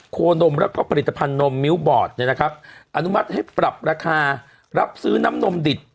โคนมแล้วก็ผลิตภัณฑนมมิ้วบอร์ดเนี่ยนะครับอนุมัติให้ปรับราคารับซื้อน้ำนมดิบ